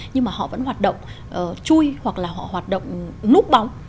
nhưng mà họ vẫn hoạt động chui hoặc là họ hoạt động núp bóng